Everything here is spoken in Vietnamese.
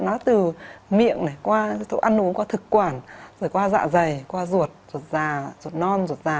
nó từ miệng này qua thủ ăn uống qua thực quản rồi qua dạ dày qua ruột ruột già ruột non ruột già